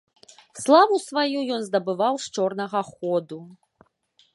Славу сваю ён здабываў з чорнага ходу.